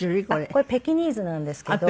これペキニーズなんですけど。